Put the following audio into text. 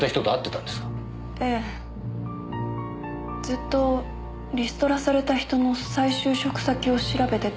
ずっとリストラされた人の再就職先を調べてて。